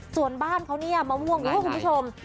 ส่วนบ้านเขาเนี่ยมะม่วงคุณผู้ชม